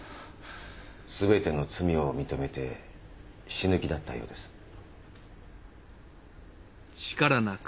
すべての罪を認めて死ぬ気だったようです。